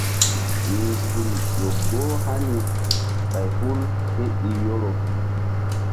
Nzukr ƴo goh hani ɓay hul ké i Yoro.